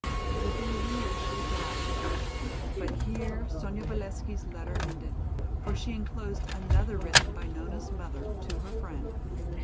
Within a year she had died. But here Sonya Valesky's letter ended, for she enclosed another written by Nona's mother to her friend.